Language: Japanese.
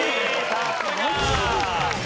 さすが！